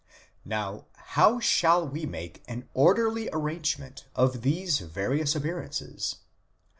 : Now how shall we make an orderly arrangement of these various appear ances?